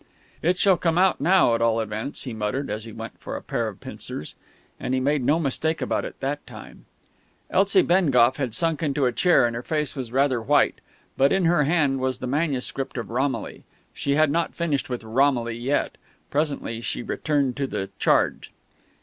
"It shall come out now, at all events," he muttered, as he went for a pair of pincers. And he made no mistake about it that time. Elsie Bengough had sunk into a chair, and her face was rather white; but in her hand was the manuscript of Romilly. She had not finished with Romilly yet. Presently she returned to the charge.